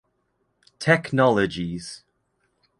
Technologies.